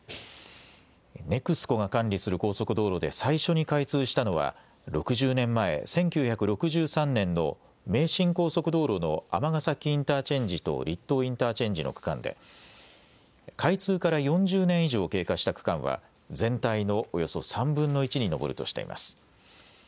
ＮＥＸＣＯが管理する高速道路で最初に開通したのは６０年前、１９６３年の名神高速道路の尼崎インターチェンジと栗東インターチェンジの区間で、開通から４０年以上経過した区間は全体のおよそ３分の１に上るとしてます。